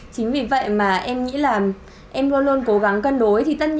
chính vì vậy mà em nghĩ là em luôn luôn cố gắng cân đối tất